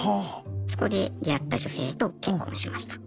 そこで出会った女性と結婚しました。